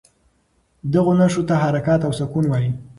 دغو نښو ته حرکات او سکون وايي.